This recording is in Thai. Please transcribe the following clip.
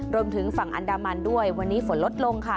รวมถึงฝั่งอันดามันด้วยวันนี้ฝนลดลงค่ะ